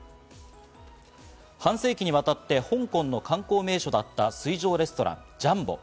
半世紀にわたって香港の観光名所だった水上レストラン、ジャンボ。